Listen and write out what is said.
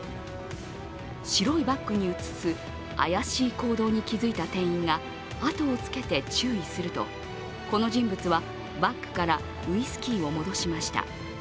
白いバッグに移す怪しい行動に気付いた店員が、あとをつけて注意するとこの人物はバッグからウイスキーを戻しました。